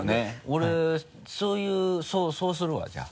俺そうするわじゃあ。